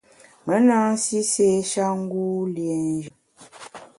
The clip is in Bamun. Me na nsi séé-sha ngu liénjù.